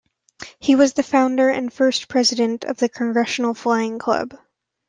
He was the founder and first president of the Congressional Flying Club.